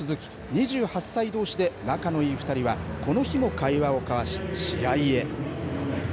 ２８歳どうしで仲のいい２人はこの日も会話を交わし試合へ。